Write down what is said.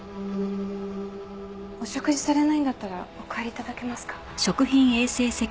お食事されないんだったらお帰り頂けますか？